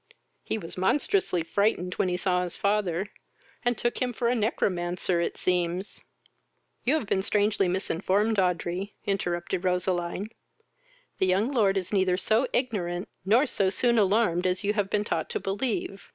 He was monstrously frightened when he saw his father, and took him for a negromancer it seems." "You have been strangely misinformed, Audrey, (interrupted Roseline,) the young lord is neither so ignorant not so soon alarmed as you have been taught to believe.